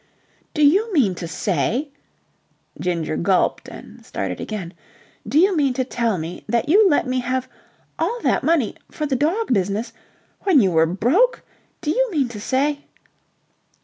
"Do you mean to say..." Ginger gulped and started again. "Do you mean to tell me that you let me have... all that money... for the dog business... when you were broke? Do you mean to say..."